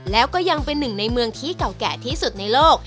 แล้วก็ยังเป็นหนึ่งในเมืองที่เก่าแก่ที่สุดในโลก